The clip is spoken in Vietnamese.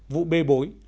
vụ bê bối